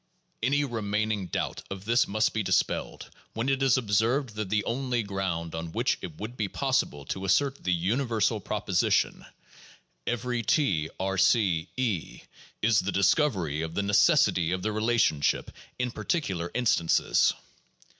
Any remaining doubt of this must be dispelled, when it is ob served that the only ground on which it would be possible to assert the universal proposition, every (T)R C (E), is the discovery of the necessity of the relationship in particular instances.